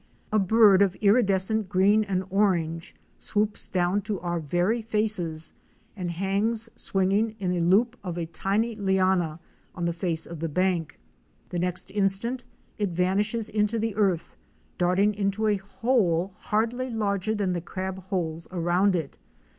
A bird of iridescent green and orange swoops down to our very faces, and hangs swinging in a loop of a tiny liana on the face of the bank. The next instant it vanishes into the earth, darting into a hole hardly larger than the crab holes around it.